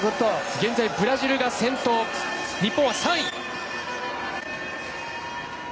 現在、ブラジルが先頭日本は３位。